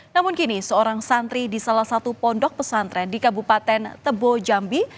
namun kini seorang santri di salah satu pondok pesantren di kabupaten tebo jambi